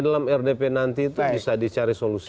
dalam rdp nanti itu bisa dicari solusi